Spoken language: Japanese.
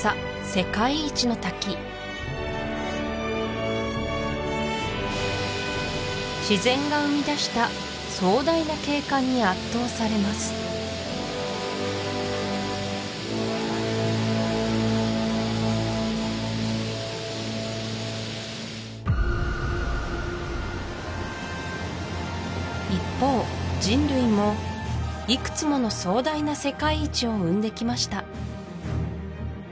世界一の滝自然が生み出した壮大な景観に圧倒されます一方人類もいくつもの壮大な世界一を生んできました